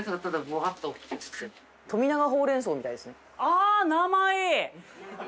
あぁ名前！